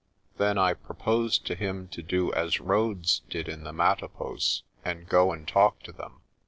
Then I proposed to him to do as Rhodes did in the Matop pos, and go and talk to them.